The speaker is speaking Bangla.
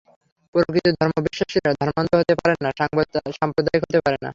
প্রকৃত ধর্ম বিশ্বাসীরা ধর্মান্ধ হতে পারে না, সাম্প্রদায়িক হতে পারে না।